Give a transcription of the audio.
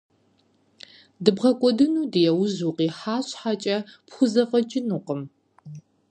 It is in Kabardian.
ДыбгъэкӀуэдыну ди ужь укъыхьа щхькӀэ пхузэфӏэкӏынукъым.